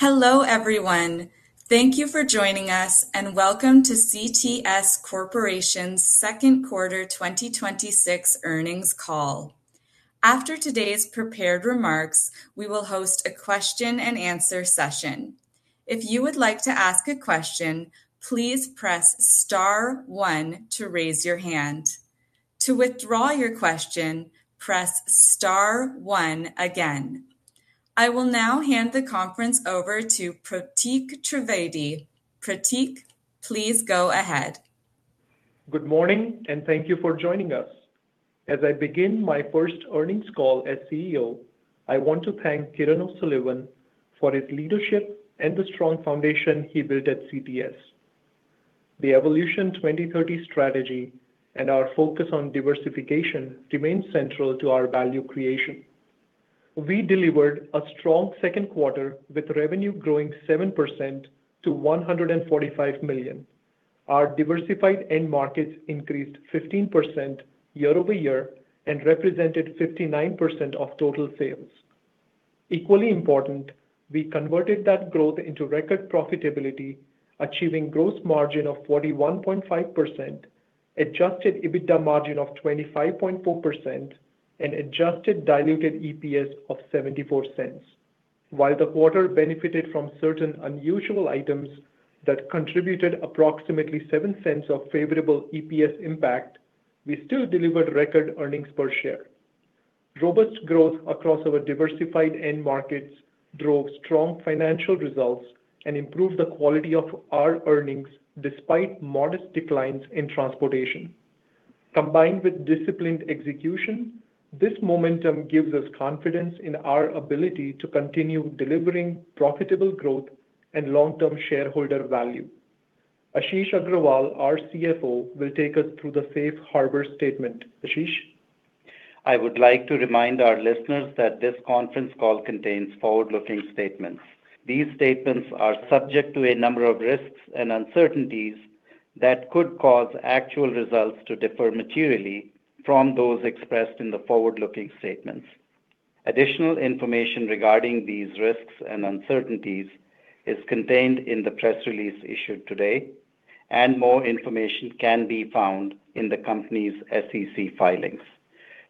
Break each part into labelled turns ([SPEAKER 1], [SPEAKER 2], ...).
[SPEAKER 1] Hello, everyone. Thank you for joining us, and welcome to CTS Corporation's Second Quarter 2026 Earnings Call. After today's prepared remarks, we will host a question-and-answer session. If you would like to ask a question, please press star one to raise your hand. To withdraw your question, press star one again. I will now hand the conference over to Pratik Trivedi. Pratik, please go ahead.
[SPEAKER 2] Good morning. Thank you for joining us. As I begin my first earnings call as CEO, I want to thank Kieran O'Sullivan for his leadership and the strong foundation he built at CTS. The Evolution 2030 strategy and our focus on diversification remain central to our value creation. We delivered a strong second quarter with revenue growing 7% to $145 million. Our diversified end markets increased 15% year-over-year and represented 59% of total sales. Equally important, we converted that growth into record profitability, achieving gross margin of 41.5%, adjusted EBITDA margin of 25.4%, and adjusted diluted EPS of $0.74. While the quarter benefited from certain unusual items that contributed approximately $0.07 of favorable EPS impact, we still delivered record earnings per share. Robust growth across our diversified end markets drove strong financial results and improved the quality of our earnings despite modest declines in transportation. Combined with disciplined execution, this momentum gives us confidence in our ability to continue delivering profitable growth and long-term shareholder value. Ashish Agrawal, our CFO, will take us through the safe harbor statement. Ashish?
[SPEAKER 3] I would like to remind our listeners that this conference call contains forward-looking statements. These statements are subject to a number of risks and uncertainties that could cause actual results to differ materially from those expressed in the forward-looking statements. Additional information regarding these risks and uncertainties is contained in the press release issued today. More information can be found in the company's SEC filings.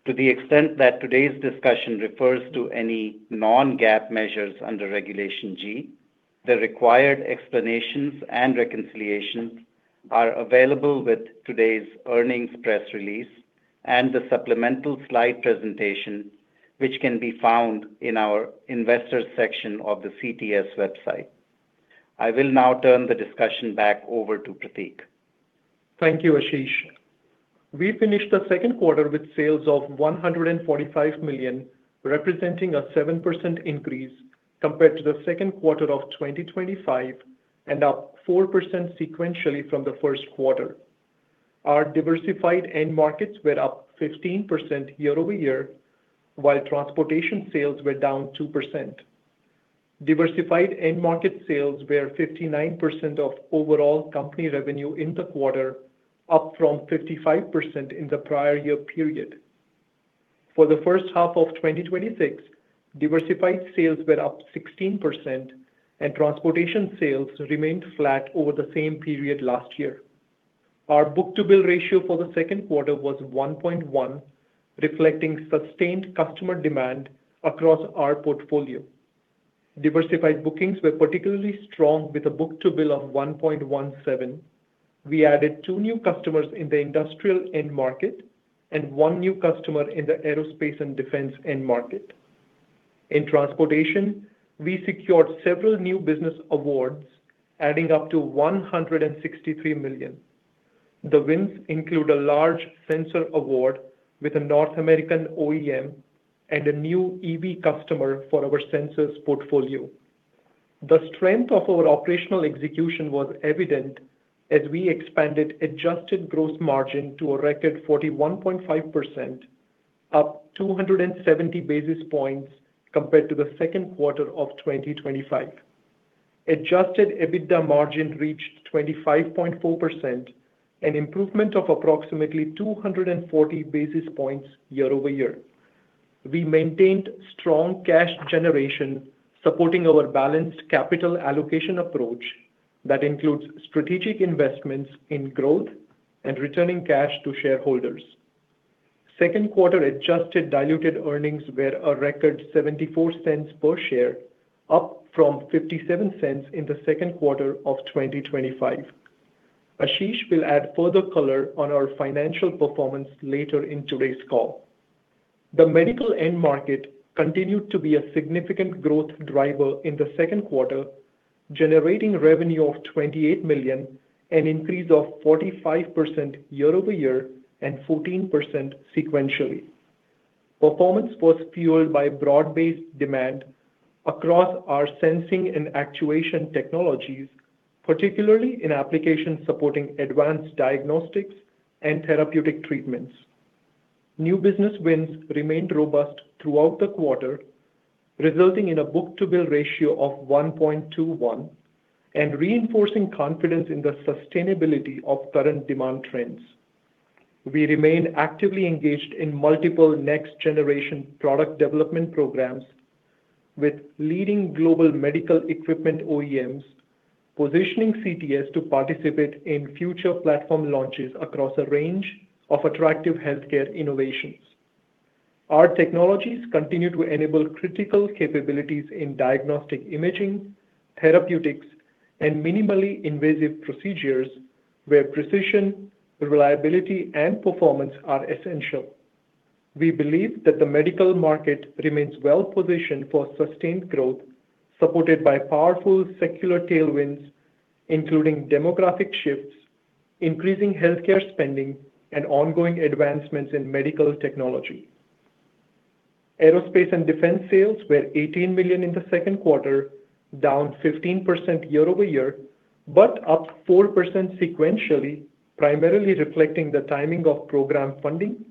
[SPEAKER 3] To the extent that today's discussion refers to any non-GAAP measures under Regulation G, the required explanations and reconciliations are available with today's earnings press release and the supplemental slide presentation, which can be found in our Investors section of the CTS website. I will now turn the discussion back over to Pratik.
[SPEAKER 2] Thank you, Ashish. We finished the second quarter with sales of $145 million, representing a 7% increase compared to the second quarter of 2025 and up 4% sequentially from the first quarter. Our diversified end markets were up 15% year-over-year, while transportation sales were down 2%. Diversified end market sales were 59% of overall company revenue in the quarter, up from 55% in the prior year period. For the first half of 2026, diversified sales were up 16% and transportation sales remained flat over the same period last year. Our book-to-bill ratio for the second quarter was 1.1, reflecting sustained customer demand across our portfolio. Diversified bookings were particularly strong with a book-to-bill of 1.17. We added two new customers in the industrial end market and one new customer in the aerospace and defense end market. In transportation, we secured several new business awards, adding up to $163 million. The wins include a large sensor award with a North American OEM and a new EV customer for our sensors portfolio. The strength of our operational execution was evident as we expanded adjusted gross margin to a record 41.5%, up 270 basis points compared to the second quarter of 2025. Adjusted EBITDA margin reached 25.4%, an improvement of approximately 240 basis points year-over-year. We maintained strong cash generation, supporting our balanced capital allocation approach that includes strategic investments in growth and returning cash to shareholders. Second quarter adjusted diluted earnings were a record $0.74 per share, up from $0.57 in the second quarter of 2025. Ashish will add further color on our financial performance later in today's call. The medical end market continued to be a significant growth driver in the second quarter, generating revenue of $28 million, an increase of 45% year-over-year and 14% sequentially. Performance was fueled by broad-based demand across our sensing and actuation technologies, particularly in applications supporting advanced diagnostics and therapeutic treatments. New business wins remained robust throughout the quarter, resulting in a book-to-bill ratio of 1.21 and reinforcing confidence in the sustainability of current demand trends. We remain actively engaged in multiple next-generation product development programs with leading global medical equipment OEMs, positioning CTS to participate in future platform launches across a range of attractive healthcare innovations. Our technologies continue to enable critical capabilities in diagnostic imaging, therapeutics, and minimally invasive procedures where precision, reliability, and performance are essential. We believe that the medical market remains well-positioned for sustained growth, supported by powerful secular tailwinds, including demographic shifts, increasing healthcare spending, and ongoing advancements in medical technology. Aerospace and defense sales were $18 million in the second quarter, down 15% year-over-year, but up 4% sequentially, primarily reflecting the timing of program funding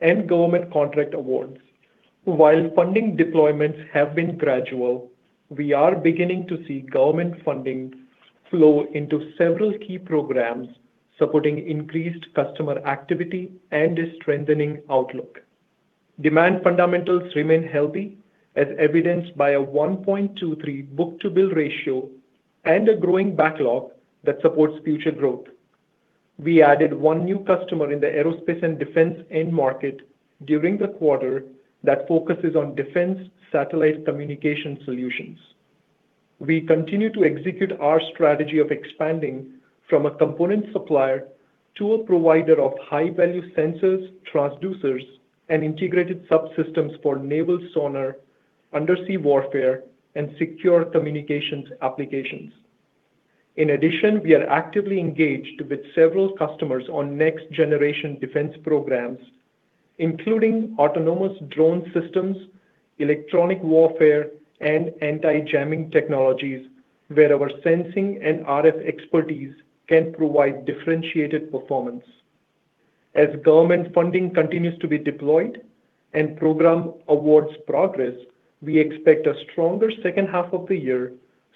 [SPEAKER 2] and government contract awards. While funding deployments have been gradual, we are beginning to see government funding flow into several key programs, supporting increased customer activity and a strengthening outlook. Demand fundamentals remain healthy, as evidenced by a 1.23 book-to-bill ratio and a growing backlog that supports future growth. We added one new customer in the aerospace and defense end market during the quarter that focuses on defense satellite communication solutions. We continue to execute our strategy of expanding from a component supplier to a provider of high-value sensors, transducers, and integrated subsystems for naval sonar, undersea warfare, and secure communications applications. In addition, we are actively engaged with several customers on next-generation defense programs, including autonomous drone systems, electronic warfare, and anti-jamming technologies where our sensing and RF expertise can provide differentiated performance. As government funding continues to be deployed and program awards progress, we expect a stronger second half of the year,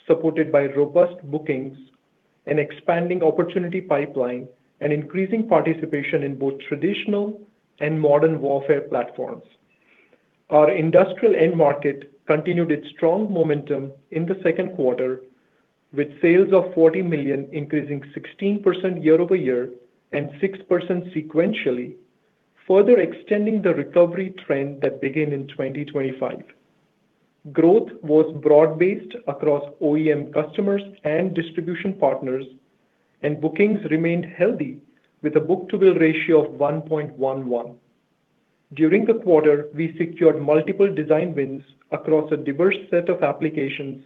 [SPEAKER 2] supported by robust bookings, an expanding opportunity pipeline, and increasing participation in both traditional and modern warfare platforms. Our industrial end market continued its strong momentum in the second quarter, with sales of $40 million increasing 16% year-over-year and 6% sequentially, further extending the recovery trend that began in 2025. Growth was broad-based across OEM customers and distribution partners. Bookings remained healthy with a book-to-bill ratio of 1.11. During the quarter, we secured multiple design wins across a diverse set of applications,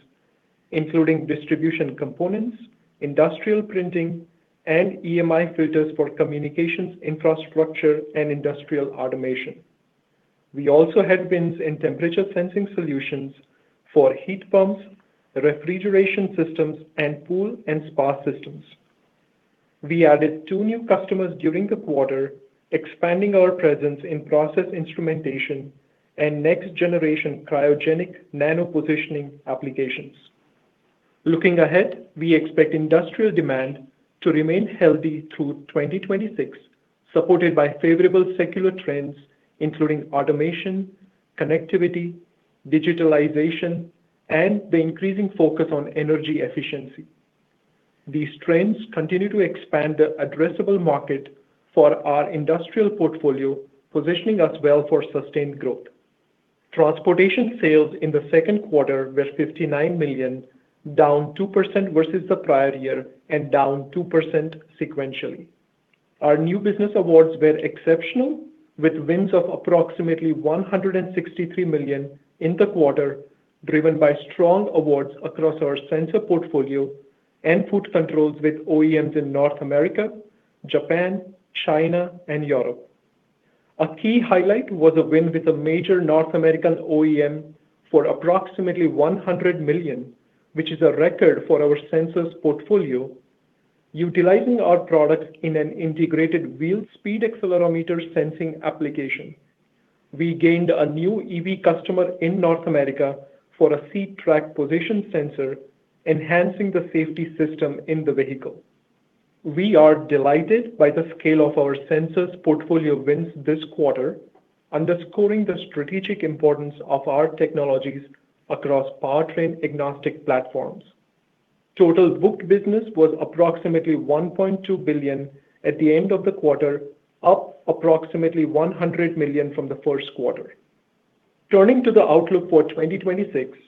[SPEAKER 2] including distribution components, industrial printing, and EMI filters for communications infrastructure and industrial automation. We also had wins in temperature sensing solutions for heat pumps, refrigeration systems, and pool and spa systems. We added two new customers during the quarter, expanding our presence in process instrumentation and next-generation cryogenic nanopositioning applications. Looking ahead, we expect industrial demand to remain healthy through 2026, supported by favorable secular trends including automation, connectivity, digitalization, and the increasing focus on energy efficiency. These trends continue to expand the addressable market for our industrial portfolio, positioning us well for sustained growth. Transportation sales in the second quarter were $59 million, down 2% versus the prior year and down 2% sequentially. Our new business awards were exceptional, with wins of approximately $163 million in the quarter, driven by strong awards across our sensor portfolio and foot controls with OEMs in North America, Japan, China, and Europe. A key highlight was a win with a major North American OEM for approximately $100 million, which is a record for our sensors portfolio, utilizing our product in an integrated wheel speed accelerometer sensing application. We gained a new EV customer in North America for a seat track position sensor, enhancing the safety system in the vehicle. We are delighted by the scale of our sensors portfolio wins this quarter, underscoring the strategic importance of our technologies across powertrain-agnostic platforms. Total booked business was approximately $1.2 billion at the end of the quarter, up approximately $100 million from the first quarter. Turning to the outlook for 2026,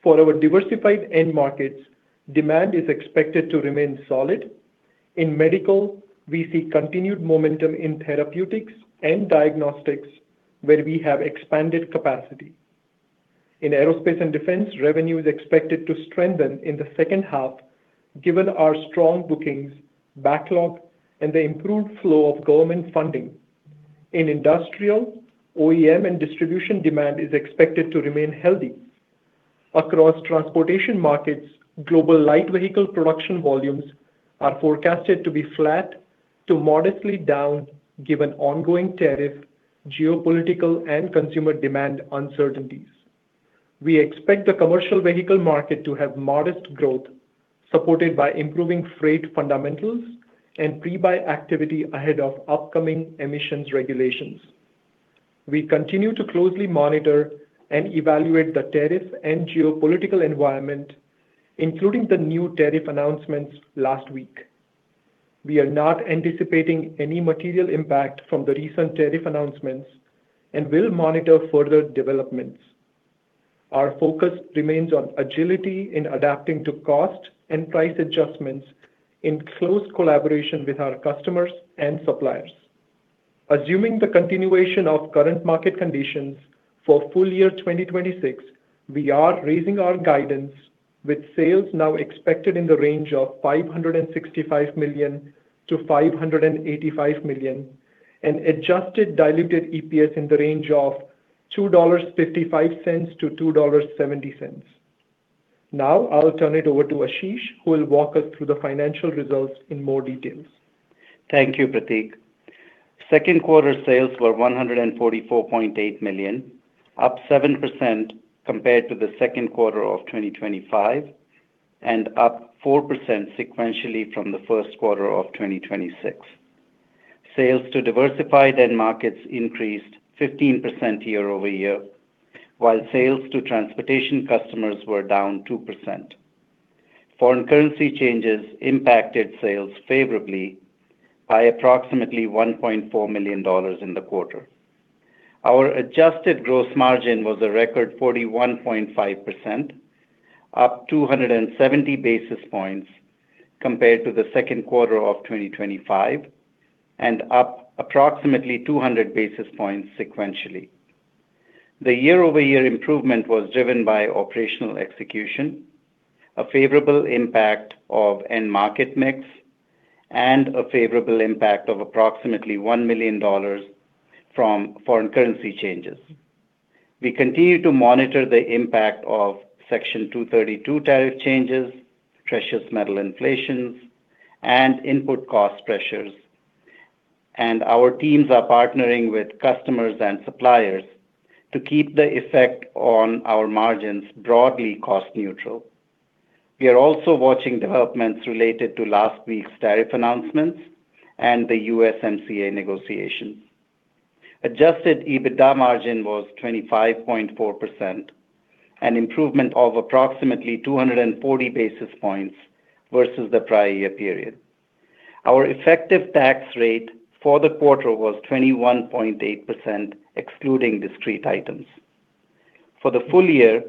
[SPEAKER 2] for our diversified end markets, demand is expected to remain solid. In medical, we see continued momentum in therapeutics and diagnostics, where we have expanded capacity. In Aerospace and defense, revenue is expected to strengthen in the second half given our strong bookings, backlog, and the improved flow of government funding. In industrial, OEM and distribution demand is expected to remain healthy. Across transportation markets, global light vehicle production volumes are forecasted to be flat to modestly down given ongoing tariff, geopolitical, and consumer demand uncertainties. We expect the commercial vehicle market to have modest growth, supported by improving freight fundamentals and pre-buy activity ahead of upcoming emissions regulations. We continue to closely monitor and evaluate the tariff and geopolitical environment, including the new tariff announcements last week. We are not anticipating any material impact from the recent tariff announcements and will monitor further developments. Our focus remains on agility in adapting to cost and price adjustments in close collaboration with our customers and suppliers. Assuming the continuation of current market conditions for full year 2026, we are raising our guidance, with sales now expected in the range of $565 million-$585 million and adjusted diluted EPS in the range of $2.55-$2.70. Now, I'll turn it over to Ashish, who will walk us through the financial results in more details.
[SPEAKER 3] Thank you, Pratik. Second quarter sales were $144.8 million, up 7% compared to the second quarter of 2025, and up 4% sequentially from the first quarter of 2026. Sales to diversified end markets increased 15% year-over-year, while sales to transportation customers were down 2%. Foreign currency changes impacted sales favorably by approximately $1.4 million in the quarter. Our adjusted gross margin was a record 41.5%, up 270 basis points compared to the second quarter of 2025, and up approximately 200 basis points sequentially. The year-over-year improvement was driven by operational execution, a favorable impact of end market mix, and a favorable impact of approximately $1 million from foreign currency changes. We continue to monitor the impact of Section 232 tariff changes, precious metal inflations, and input cost pressures. Our teams are partnering with customers and suppliers to keep the effect on our margins broadly cost neutral. We are also watching developments related to last week's tariff announcements and the USMCA negotiations. Adjusted EBITDA margin was 25.4%, an improvement of approximately 240 basis points versus the prior year period. Our effective tax rate for the quarter was 21.8%, excluding discrete items. For the full year,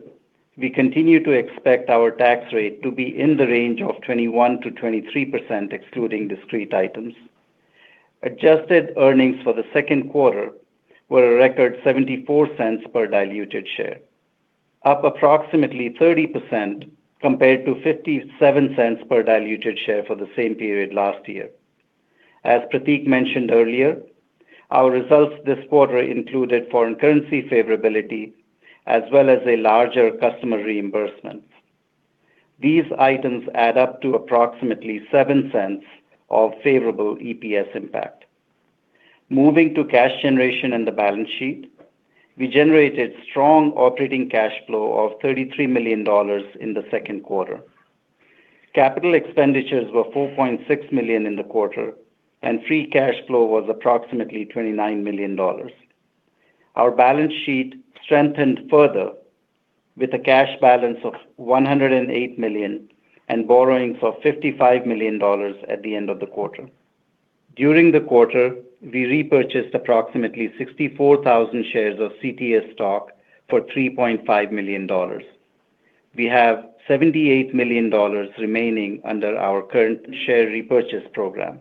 [SPEAKER 3] we continue to expect our tax rate to be in the range of 21%-23%, excluding discrete items. Adjusted earnings for the second quarter were a record $0.74 per diluted share, up approximately 30% compared to $0.57 per diluted share for the same period last year. As Pratik mentioned earlier, our results this quarter included foreign currency favorability as well as a larger customer reimbursement. These items add up to approximately $0.07 of favorable EPS impact. Moving to cash generation and the balance sheet, we generated strong operating cash flow of $33 million in the second quarter. Capital expenditures were $4.6 million in the quarter, and free cash flow was approximately $29 million. Our balance sheet strengthened further with a cash balance of $108 million and borrowing for $55 million at the end of the quarter. During the quarter, we repurchased approximately 64,000 shares of CTS stock for $3.5 million. We have $78 million remaining under our current share repurchase program.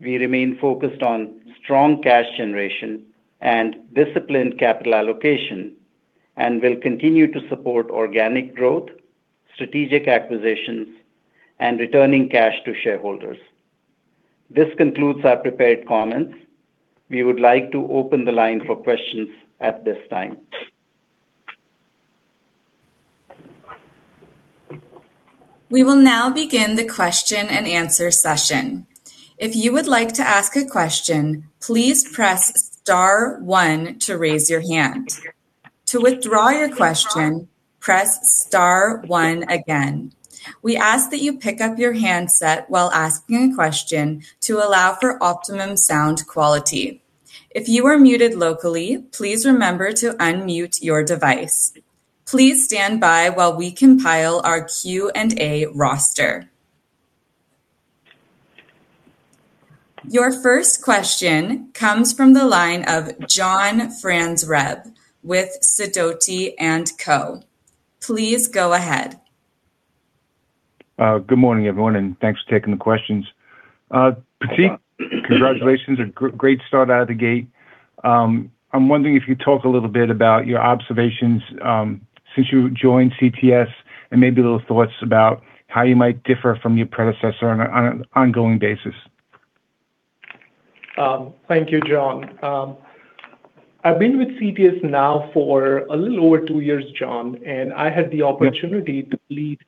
[SPEAKER 3] We remain focused on strong cash generation and disciplined capital allocation and will continue to support organic growth, strategic acquisitions, and returning cash to shareholders. This concludes our prepared comments. We would like to open the line for questions at this time.
[SPEAKER 1] We will now begin the question-and-answer session. If you would like to ask a question, please press star one to raise your hand. To withdraw your question, press star one again. We ask that you pick up your handset while asking a question to allow for optimum sound quality. If you are muted locally, please remember to unmute your device. Please stand by while we compile our Q&A roster. Your first question comes from the line of John Franzreb with Sidoti & Co. Please go ahead.
[SPEAKER 4] Good morning, everyone. Thanks for taking the questions. Pratik, congratulations on a great start out of the gate. I'm wondering if you'd talk a little bit about your observations since you joined CTS and maybe a little thoughts about how you might differ from your predecessor on an ongoing basis.
[SPEAKER 2] Thank you, John. I've been with CTS now for a little over two years, John. I had the opportunity to lead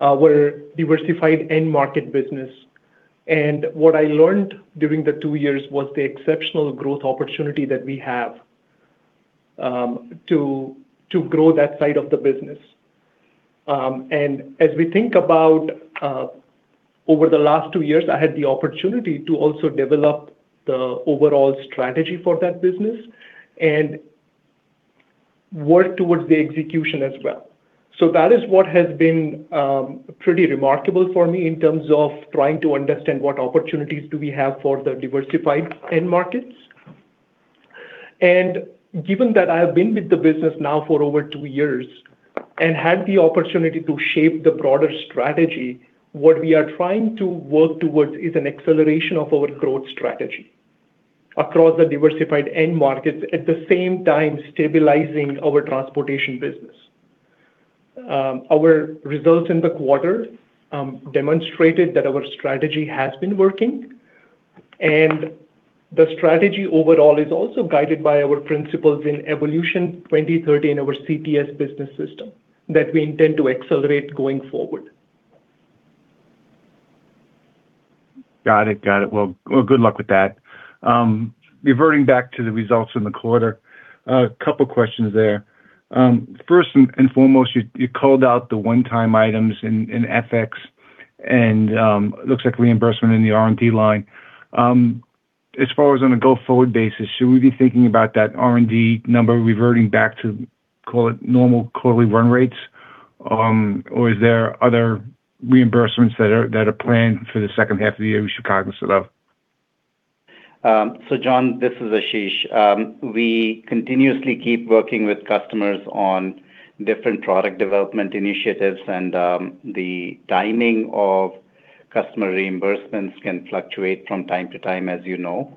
[SPEAKER 2] our diversified end market business. What I learned during the two years was the exceptional growth opportunity that we have to grow that side of the business. As we think about over the last two years, I had the opportunity to also develop the overall strategy for that business and work towards the execution as well. That is what has been pretty remarkable for me in terms of trying to understand what opportunities do we have for the diversified end markets. Given that I have been with the business now for over two years and had the opportunity to shape the broader strategy, what we are trying to work towards is an acceleration of our growth strategy across the diversified end markets, at the same time stabilizing our transportation business. Our results in the quarter demonstrated that our strategy has been working, and the strategy overall is also guided by our principles in Evolution 2030 and our CTS Business System that we intend to accelerate going forward.
[SPEAKER 4] Got it. Well, good luck with that. Reverting back to the results in the quarter, a couple questions there. First and foremost, you called out the one-time items in FX, and it looks like reimbursement in the R&D line. As far as on a go-forward basis, should we be thinking about that R&D number reverting back to, call it normal quarterly run rates? Or is there other reimbursements that are planned for the second half of the year we should cognizant of?
[SPEAKER 3] John, this is Ashish. We continuously keep working with customers on different product development initiatives, and the timing of customer reimbursements can fluctuate from time to time, as you know.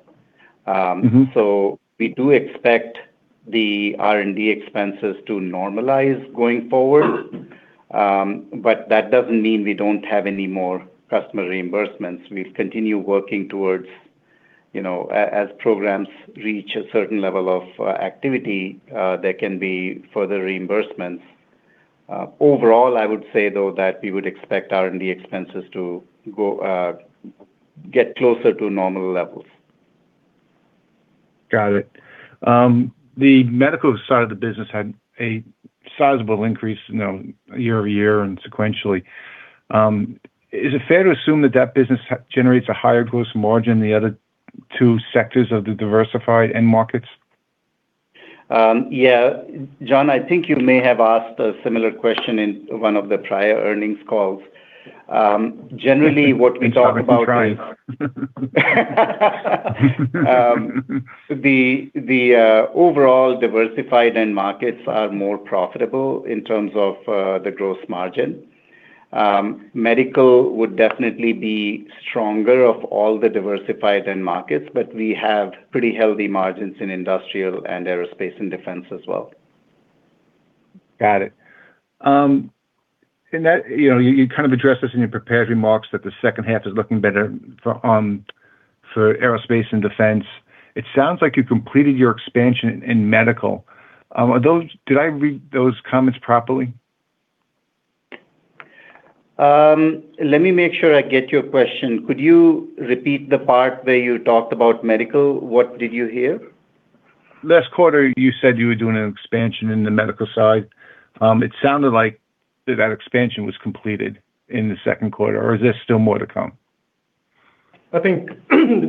[SPEAKER 3] We do expect the R&D expenses to normalize going forward, but that doesn't mean we don't have any more customer reimbursements. We've continued working towards, as programs reach a certain level of activity, there can be further reimbursements. Overall, I would say though, that we would expect R&D expenses to get closer to normal levels.
[SPEAKER 4] Got it. The medical side of the business had a sizable increase year-over-year and sequentially. Is it fair to assume that that business generates a higher gross margin than the other two sectors of the diversified end markets?
[SPEAKER 3] Yeah. John, I think you may have asked a similar question in one of the prior earnings calls. Generally, what we talk about.
[SPEAKER 4] I think I've been trying.
[SPEAKER 3] The overall diversified end markets are more profitable in terms of the gross margin. Medical would definitely be stronger of all the diversified end markets, but we have pretty healthy margins in industrial and aerospace and defense as well.
[SPEAKER 4] Got it. In that, you kind of addressed this in your prepared remarks that the second half is looking better for aerospace and defense. It sounds like you completed your expansion in medical. Did I read those comments properly?
[SPEAKER 3] Let me make sure I get your question. Could you repeat the part where you talked about medical? What did you hear?
[SPEAKER 4] Last quarter, you said you were doing an expansion in the medical side. It sounded like that expansion was completed in the second quarter, or is there still more to come?
[SPEAKER 2] I think,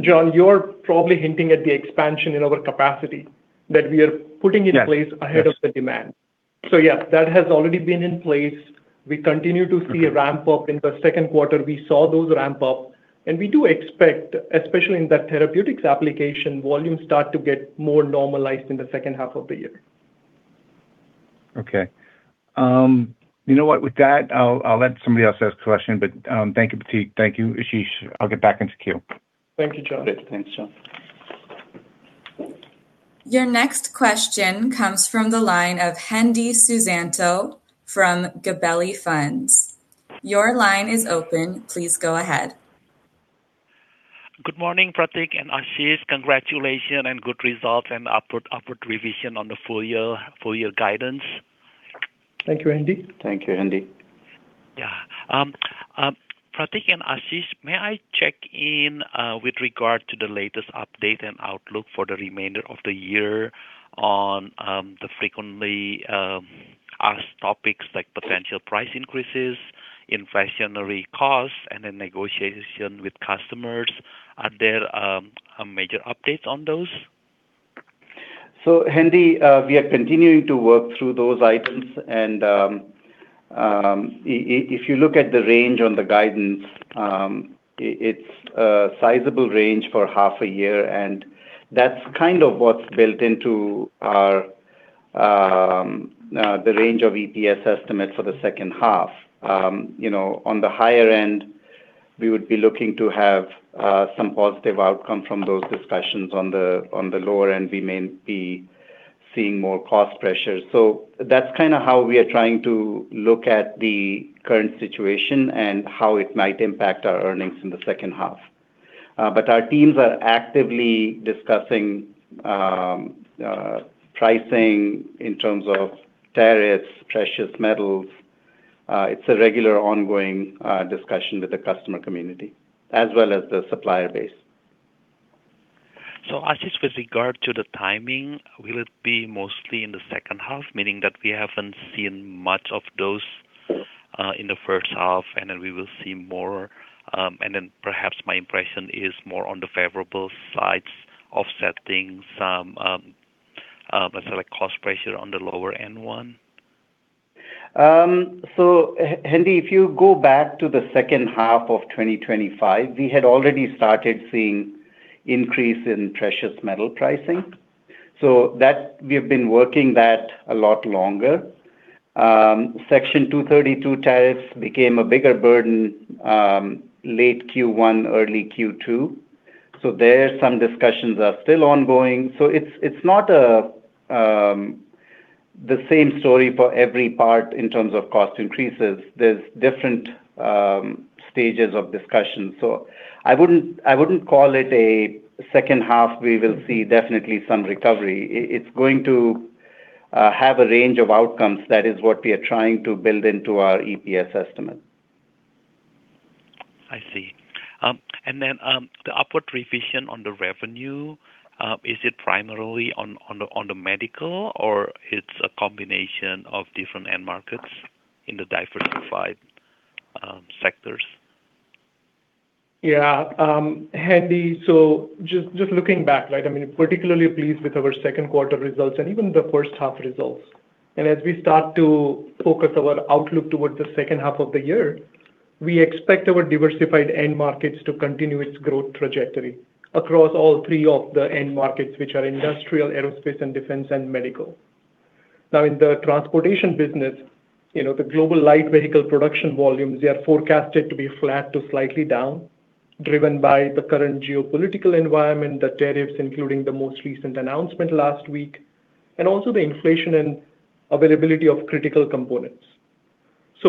[SPEAKER 2] John, you're probably hinting at the expansion in our capacity that we are putting in place ahead of the demand.
[SPEAKER 4] Yes.
[SPEAKER 2] Yeah, that has already been in place. We continue to see a ramp up. In the second quarter, we saw those ramp up and we do expect, especially in that therapeutics application, volumes start to get more normalized in the second half of the year.
[SPEAKER 4] Okay. You know what? With that, I'll let somebody else ask a question, but thank you, Pratik. Thank you, Ashish. I'll get back into queue.
[SPEAKER 2] Thank you, John.
[SPEAKER 3] Great. Thanks, John.
[SPEAKER 1] Your next question comes from the line of Hendi Susanto from Gabelli Funds. Your line is open. Please go ahead.
[SPEAKER 5] Good morning, Pratik and Ashish. Congratulations and good results and upward revision on the full year guidance.
[SPEAKER 2] Thank you, Hendi.
[SPEAKER 3] Thank you, Hendi.
[SPEAKER 5] Pratik and Ashish, may I check in with regard to the latest update and outlook for the remainder of the year on the frequently asked topics like potential price increases, inflationary costs, and then negotiation with customers? Are there major updates on those?
[SPEAKER 3] Hendi, we are continuing to work through those items, if you look at the range on the guidance, it's a sizable range for half a year, and that's kind of what's built into the range of EPS estimates for the second half. On the higher end, we would be looking to have some positive outcome from those discussions. On the lower end, we may be seeing more cost pressures. That's kind of how we are trying to look at the current situation and how it might impact our earnings in the second half. Our teams are actively discussing pricing in terms of tariffs, precious metals. It's a regular ongoing discussion with the customer community as well as the supplier base.
[SPEAKER 5] Ashish, with regard to the timing, will it be mostly in the second half, meaning that we haven't seen much of those in the first half then we will see more, then perhaps my impression is more on the favorable sides offsetting some let's say cost pressure on the lower end one?
[SPEAKER 3] Hendi, if you go back to the second half of 2025, we had already started seeing increase in precious metal pricing. We have been working that a lot longer. Section 232 tariffs became a bigger burden late Q1, early Q2. There, some discussions are still ongoing. It's not the same story for every part in terms of cost increases. There's different stages of discussion. I wouldn't call it a second half, we will see definitely some recovery. It's going to have a range of outcomes. That is what we are trying to build into our EPS estimate.
[SPEAKER 5] I see. Then, the upward revision on the revenue, is it primarily on the medical, or it's a combination of different end markets in the diversified sectors?
[SPEAKER 2] Yeah. Hendi, just looking back. I'm particularly pleased with our second quarter results and even the first half results. As we start to focus our outlook towards the second half of the year, we expect our diversified end markets to continue its growth trajectory across all three of the end markets, which are industrial, aerospace and defense, and medical. Now in the transportation business, the global light vehicle production volumes, they are forecasted to be flat to slightly down, driven by the current geopolitical environment, the tariffs, including the most recent announcement last week, and also the inflation and availability of critical components.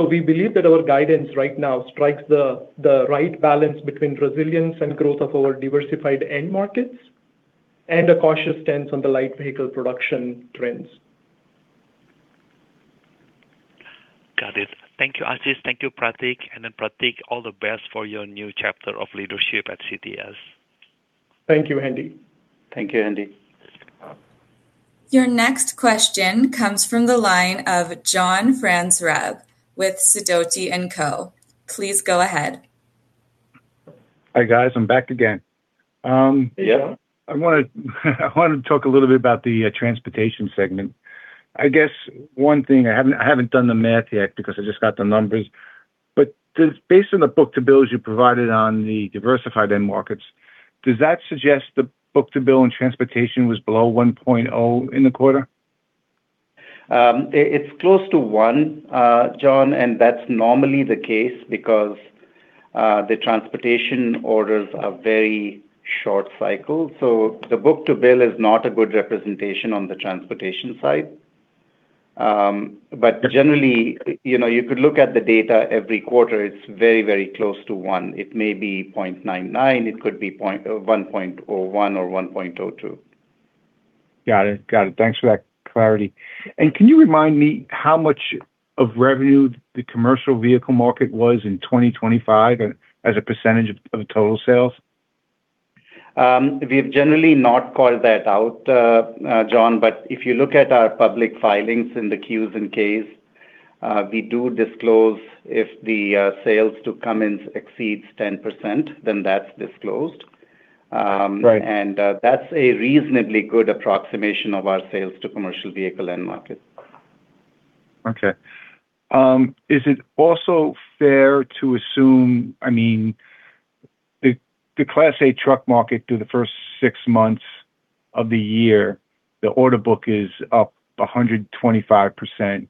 [SPEAKER 2] We believe that our guidance right now strikes the right balance between resilience and growth of our diversified end markets and a cautious stance on the light vehicle production trends.
[SPEAKER 5] Got it. Thank you, Ashish. Thank you, Pratik. Pratik, all the best for your new chapter of leadership at CTS.
[SPEAKER 2] Thank you, Hendi.
[SPEAKER 3] Thank you, Hendi.
[SPEAKER 1] Your next question comes from the line of John Franzreb with Sidoti & Co. Please go ahead.
[SPEAKER 4] Hi, guys. I'm back again.
[SPEAKER 3] Yeah.
[SPEAKER 4] I want to talk a little bit about the transportation segment. I guess one thing, I haven't done the math yet because I just got the numbers, but based on the book-to-bills you provided on the diversified end markets, does that suggest the book-to-bill in transportation was below 1.0 in the quarter?
[SPEAKER 3] It's close to 1, John, and that's normally the case because the transportation orders are very short cycle. The book-to-bill is not a good representation on the transportation side. Generally, you could look at the data every quarter, it's very close to 1. It may be 0.99. It could be 1.01 or 1.02.
[SPEAKER 4] Got it. Thanks for that clarity. Can you remind me how much of revenue the commercial vehicle market was in 2025 as a percentage of total sales?
[SPEAKER 3] We have generally not called that out, John. If you look at our public filings in the Qs and Ks, we do disclose if the sales to Cummins exceeds 10%, then that's disclosed.
[SPEAKER 4] Right.
[SPEAKER 3] That's a reasonably good approximation of our sales to commercial vehicle end market.
[SPEAKER 4] Okay. Is it also fair to assume, the Class 8 truck market through the first six months of the year, the order book is up 125%.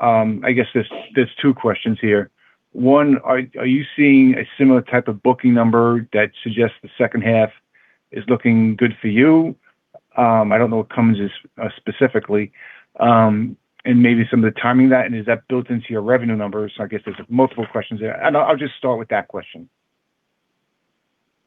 [SPEAKER 4] I guess there's two questions here. One, are you seeing a similar type of booking number that suggests the second half is looking good for you? I don't know what Cummins is specifically, and maybe some of the timing of that, and is that built into your revenue numbers? I guess there's multiple questions there, and I'll just start with that question.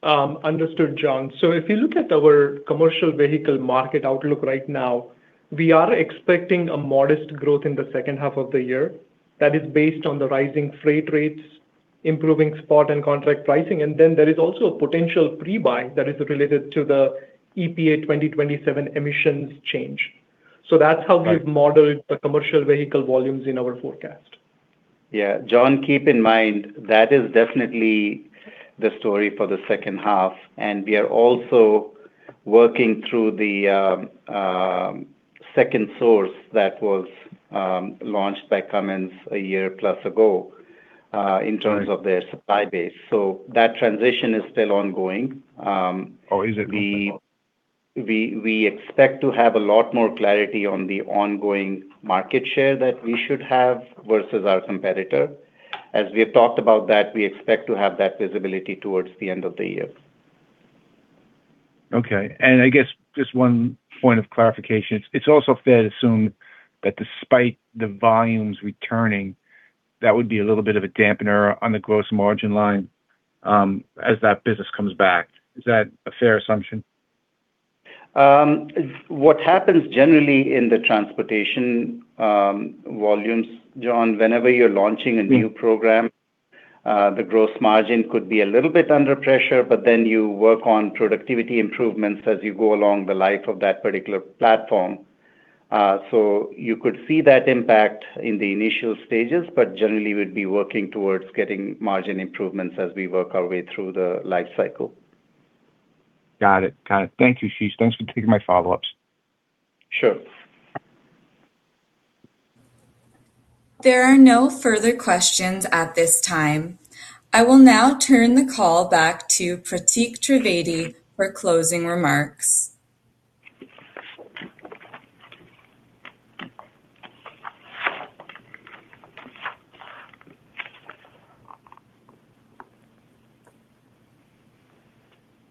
[SPEAKER 2] Understood, John. If you look at our commercial vehicle market outlook right now, we are expecting a modest growth in the second half of the year. That is based on the rising freight rates, improving spot and contract pricing. There is also a potential pre-buy that is related to the EPA 2027 emissions change. That's how we've-
[SPEAKER 4] Right.
[SPEAKER 2] modeled the commercial vehicle volumes in our forecast.
[SPEAKER 3] Yeah. John, keep in mind, that is definitely the story for the second half. We are also working through the second source that was launched by Cummins a year plus ago-
[SPEAKER 4] Right.
[SPEAKER 3] in terms of their supply base. That transition is still ongoing.
[SPEAKER 4] Oh, is it? Okay.
[SPEAKER 3] We expect to have a lot more clarity on the ongoing market share that we should have versus our competitor. As we have talked about that, we expect to have that visibility towards the end of the year.
[SPEAKER 4] Okay. I guess just one point of clarification. It's also fair to assume that despite the volumes returning, that would be a little bit of a dampener on the gross margin line as that business comes back. Is that a fair assumption?
[SPEAKER 3] What happens generally in the transportation volumes, John, whenever you're launching a new program, the gross margin could be a little bit under pressure, you work on productivity improvements as you go along the life of that particular platform. You could see that impact in the initial stages, generally, we'd be working towards getting margin improvements as we work our way through the life cycle.
[SPEAKER 4] Got it. Thank you, Ashish. Thanks for taking my follow-ups.
[SPEAKER 3] Sure.
[SPEAKER 1] There are no further questions at this time. I will now turn the call back to Pratik Trivedi for closing remarks.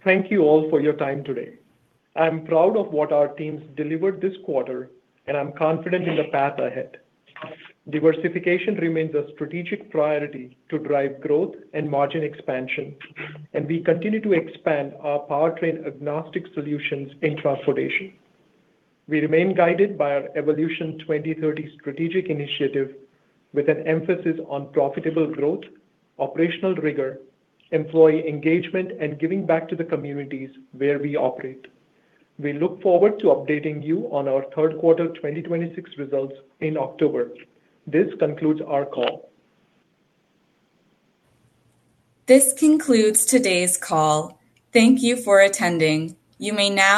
[SPEAKER 2] Thank you all for your time today. I'm proud of what our teams delivered this quarter, and I'm confident in the path ahead. Diversification remains a strategic priority to drive growth and margin expansion, and we continue to expand our powertrain-agnostic solutions in transportation. We remain guided by our Evolution 2030 strategic initiative with an emphasis on profitable growth, operational rigor, employee engagement, and giving back to the communities where we operate. We look forward to updating you on our third quarter 2026 results in October. This concludes our call.
[SPEAKER 1] This concludes today's call. Thank you for attending. You may now disconnect.